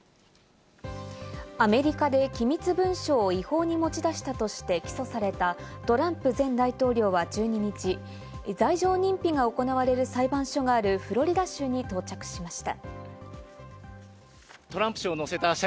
アメリカで機密文書を違法に持ち出したとして起訴されたトランプ前大統領は１２日、罪状認否が行われる裁判所があるフロリダ州に到着しました。